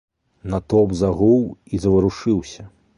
Натоўп загуў і заварушыўся.